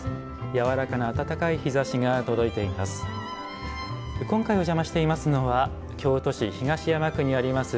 やわらかな暖かい日ざしが届いています。